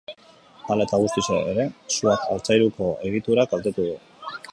Hala eta guztiz ere, suak altzairuko egitura kaltetu du.